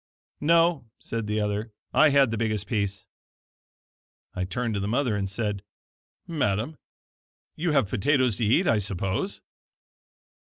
"No," said the other, "I had the biggest piece." I turned to the mother, and said: "Madam, you have potatoes to eat, I suppose?"